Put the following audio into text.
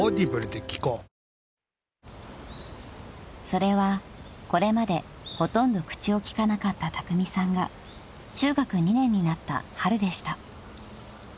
［それはこれまでほとんど口を利かなかったたくみさんが中学２年になった春でした］